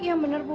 iya bener bu